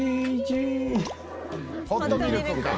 ホットミルクか。